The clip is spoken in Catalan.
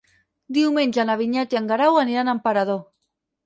Diumenge na Vinyet i en Guerau aniran a Emperador.